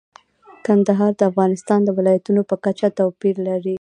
کندهار د افغانستان د ولایاتو په کچه توپیر لري.